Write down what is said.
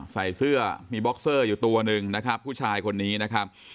ใส่เสื้อมีบ็อกเซอร์อยู่ตัวหนึ่งนะครับผู้ชายคนนี้นะครับ